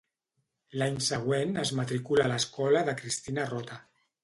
L'any següent es matricula a l'escola de Cristina Rota.